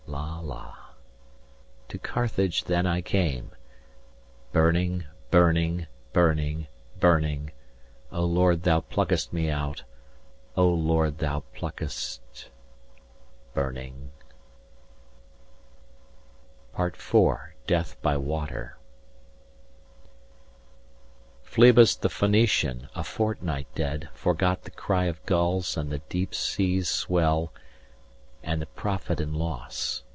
305 la la To Carthage then I came Burning burning burning burning O Lord Thou pluckest me out O Lord Thou pluckest 310 burning IV. DEATH BY WATER Phlebas the Phoenician, a fortnight dead, Forgot the cry of gulls, and the deep seas swell And the profit and loss.